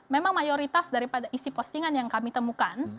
memang mayoritas daripada isi postingan yang kami temukan